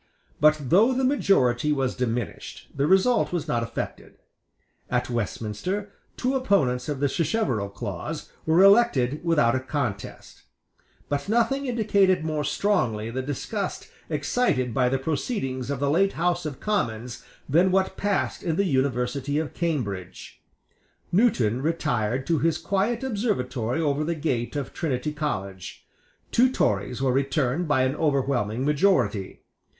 But, though the majority was diminished, the result was not affected, At Westminster, two opponents of the Sacheverell clause were elected without a contest, But nothing indicated more strongly the disgust excited by the proceedings of the late House of Commons than what passed in the University of Cambridge. Newton retired to his quiet observatory over the gate of Trinity College. Two Tories were returned by an overwhelming majority.